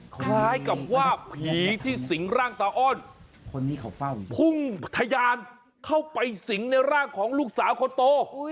คล้ายกับว่าผีที่สิงเร่างตาอ้อนพุ่งทยานเข้าไปสิงในร่างของลูกสาวโคโต